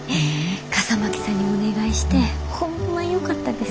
笠巻さんにお願いしてホンマよかったです。